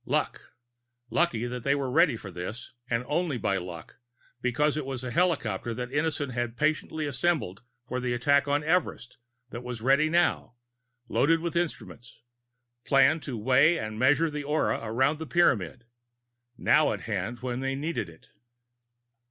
Luck! Lucky that they were ready for this, and only by luck, because it was the helicopter that Innison had patiently assembled for the attack on Everest that was ready now, loaded with instruments, planned to weigh and measure the aura around the Pyramid now at hand when they needed it.